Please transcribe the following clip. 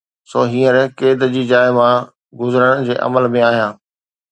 سو هينئر قيد جي جاءِ مان گذرڻ جي عمل ۾ آهيان